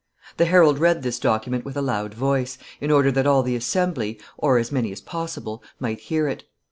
The herald read this document with a loud voice, in order that all the assembly, or as many as possible, might hear it.